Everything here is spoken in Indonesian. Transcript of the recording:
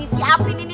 masya allah hasan